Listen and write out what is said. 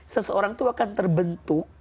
seseorang itu akan terbentuk